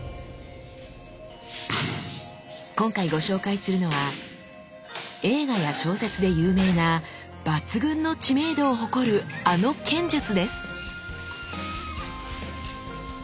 今回ご紹介するのは映画や小説で有名な抜群の知名度を誇るあの剣術です。